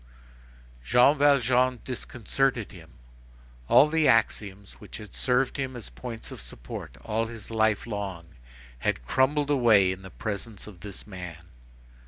Jean Valjean disconcerted him. All the axioms which had served him as points of support all his life long, had crumbled away in the presence of this man.